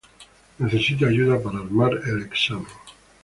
Necesito ayuda para armar el exámen.